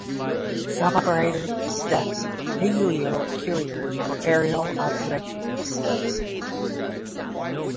Some operators use the Helio Couriers for aerial observation.